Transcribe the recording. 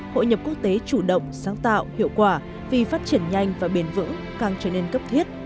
hội nhập quốc tế chủ động sáng tạo hiệu quả vì phát triển nhanh và bền vững càng trở nên cấp thiết